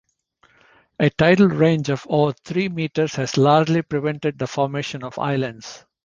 A tidal range of over three metres has largely prevented the formation of islands.